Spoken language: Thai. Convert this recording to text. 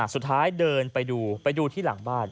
สุดท้ายเดินไปดูไปดูที่หลังบ้าน